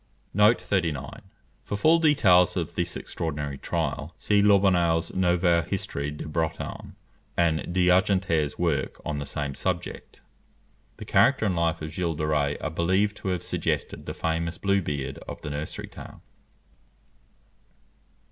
For full details of this extraordinary trial, see Lobineau's Nouvelle Histoire de Bretagne, and D'Argentré's work on the same subject. The character and life of Gilles de Rays are believed to have suggested the famous Blue Beard of the nursery tale.